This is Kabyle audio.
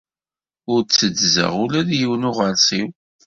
Ur tteddzeɣ ula d yiwen n uɣersiw.